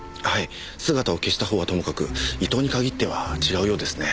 姿を消した方はともかく伊藤に限っては違うようですね。